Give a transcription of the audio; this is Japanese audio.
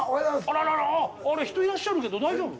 あらららあれ人いらっしゃるけど大丈夫？